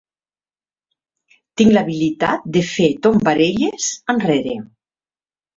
Tinc l'habilitat de fer tombarelles enrere.